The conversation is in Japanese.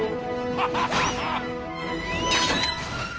ハハハハハ！